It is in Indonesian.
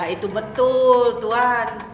ya itu betul tuhan